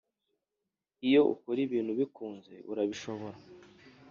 Iyo ukora ibintu ubikunze urabishobora